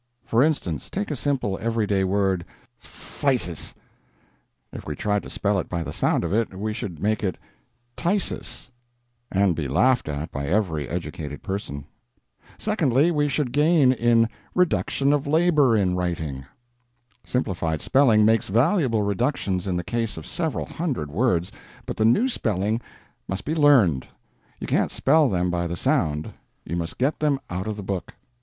For instance, take a simple, every day word phthisis. If we tried to spell it by the sound of it, we should make it TYSIS, and be laughed at by every educated person. Secondly, we should gain in reduction of labor in writing. Simplified Spelling makes valuable reductions in the case of several hundred words, but the new spelling must be learned. You can't spell them by the sound; you must get them out of the book.